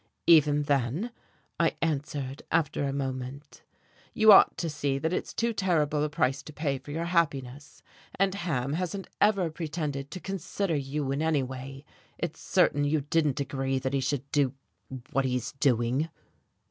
"Even then," I answered after a moment, "you ought to see that it's too terrible a price to pay for your happiness. And Ham hasn't ever pretended to consider you in any way. It's certain you didn't agree that he should do what he is doing."